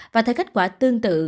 và theo kết quả tương tự